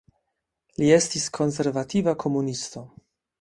Li estis konservativa komunisto.